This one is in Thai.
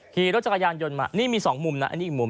ขี่รถจักรยานยนต์มานี่มีสองมุมนะอันนี้อีกมุม